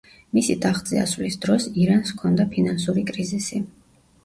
მისი ტახტზე ასვლის დროს, ირანს ჰქონდა ფინანსური კრიზისი.